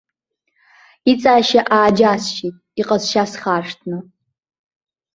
Иҵаашьа ааџьасшьеит, иҟазшьа схаршҭны.